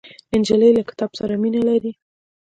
نجلۍ له کتاب سره مینه لري.